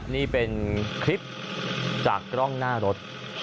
นี่เป็นคลิปจากกล้องหน้ารถ